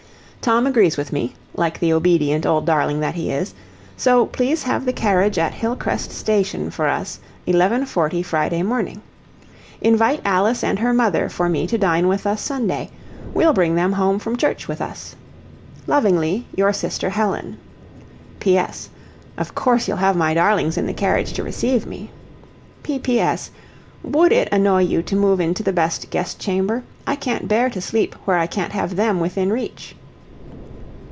Tom agrees with me, like the obedient old darling that he is; so please have the carriage at Hillcrest station for us at 11:40 Friday morning. Invite Alice and her mother for me to dine with us Sunday, we'll bring them home from church with us. "Lovingly, your sister, HELEN. "P. S. Of course you'll have my darlings in the carriage to receive me. "P. P. S. WOULD it annoy you to move into the best guest chamber? I can't bear to sleep where I can't have THEM within reach."